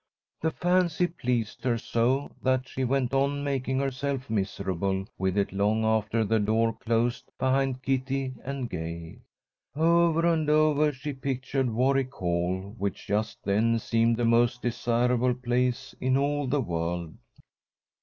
The fancy pleased her so that she went on making herself miserable with it long after the door closed behind Kitty and Gay. Over and over she pictured Warwick Hall, which just then seemed the most desirable place in all the world.